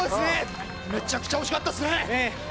めちゃくちゃ惜しかったですね！